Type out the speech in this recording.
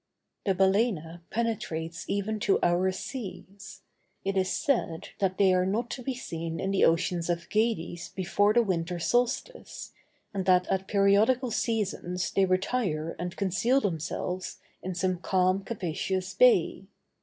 The balæna penetrates even to our seas. It is said that they are not to be seen in the ocean of Gades before the winter solstice, and that at periodical seasons they retire and conceal themselves in some calm capacious bay.